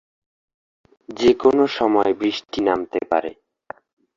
যে-কোনো সময় বৃষ্টি নামতে পারে।